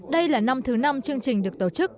đây là năm thứ năm chương trình được tổ chức